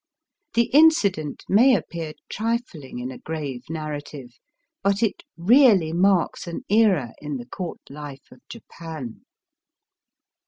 The incident may appear trifling in a grave narrative, but it really marks an era in the Court life of Japan.